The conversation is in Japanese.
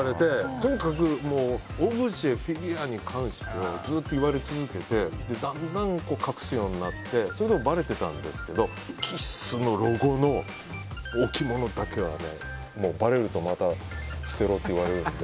とにかくオブジェ、フィギュアに関してはずっと言われ続けてだんだん隠すようになってそれでもばれてたんですけどＫＩＳＳのロゴの置き物だけはばれると捨てろって言われるので。